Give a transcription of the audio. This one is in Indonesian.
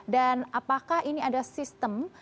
dan apakah ini ada sistem